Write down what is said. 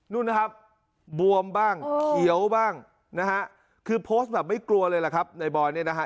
นู่นนะครับบวมบ้างเขียวบ้างนะฮะคือโพสต์แบบไม่กลัวเลยล่ะครับในบอยเนี่ยนะฮะ